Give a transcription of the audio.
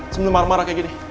sebelum marah marah kayak gini